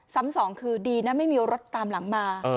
สองคือดีนะไม่มีรถตามหลังมา